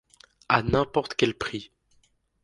À n'importe quel prix.